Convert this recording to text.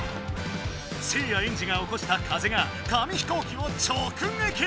せいやエンジがおこした風が紙飛行機を直撃！